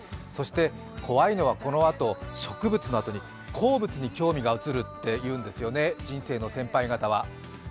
そして、怖いのはこのあと、植物のあとに鉱物に興味が移るっていうんですよね、人生の先輩方は。